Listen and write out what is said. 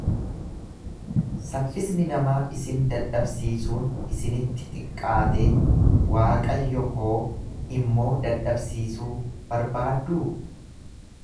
Saffisni namaa isin dadhabsiisuun isinitti xiqqaatee Waaqayyo koo immoo dadhabsiisuu barbaadduu?